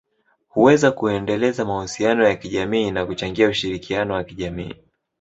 huweza kuendeleza mahusiano ya kijamii na kuchangia ushirikiano wa kijamii.